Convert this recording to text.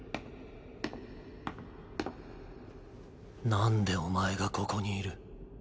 なんでお前がここにいる？